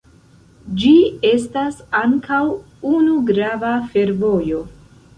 Ĝi estas ankaŭ unu grava fervojo.